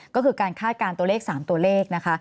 ก็คือการคาดการณ์ตัวเลข๓ตัวเลขนะคะ